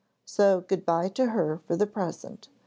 So good bye to her for the present.